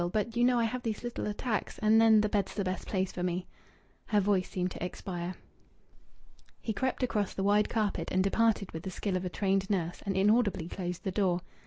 But you know I have these little attacks. And then bed's the best place for me." Her voice seemed to expire. He crept across the wide carpet and departed with the skill of a trained nurse, and inaudibly closed the door.